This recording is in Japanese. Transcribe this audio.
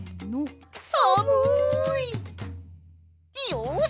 よし！